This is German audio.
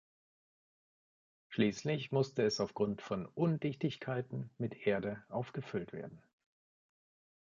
Schließlich musste es aufgrund von Undichtigkeiten mit Erde aufgefüllt werden.